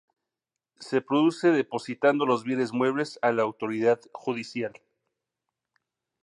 Se produce depositando los bienes muebles a la autoridad judicial.